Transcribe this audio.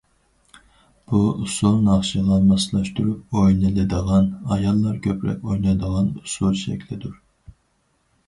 بۇ ئۇسسۇل ناخشىغا ماسلاشتۇرۇپ ئوينىلىدىغان، ئاياللار كۆپرەك ئوينايدىغان ئۇسسۇل شەكلىدۇر.